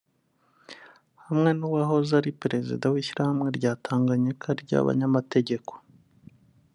hamwe n’uwahoze ari perezida w’ishyirahamwe rya Tanganyika ry’abanyamategeko